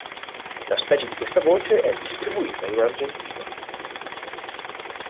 La specie di questa voce è distribuita in Argentina.